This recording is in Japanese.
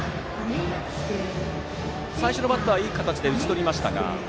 最初のバッターはいい形で打ち取りましたが。